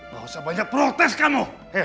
gak usah banyak protes kamu